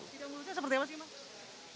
tidak mengurusnya seperti apa sih mas